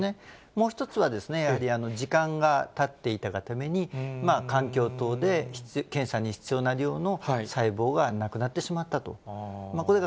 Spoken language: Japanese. もう１つは、やはり時間がたっていたがために、環境等で検査に必要な量の細胞がなくなってしまったと。